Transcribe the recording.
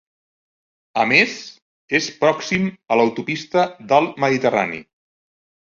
A més, és pròxim a l'autopista del Mediterrani.